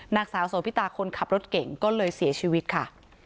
นางสาวโสพิตาคนขับรถเก่งก็เลยเสียชีวิตค่ะ